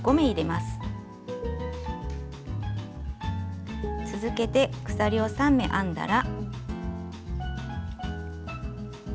また鎖を３目編んだら。